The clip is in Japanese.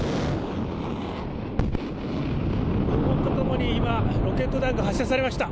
ごう音とともに今、ロケット弾が発射されました。